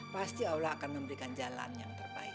pasti allah akan memberikan jalan yang terbaik